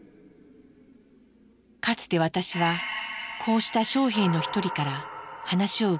かつて私はこうした将兵の一人から話を伺ったことがあります。